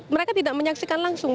mereka tidak menyaksikan langsung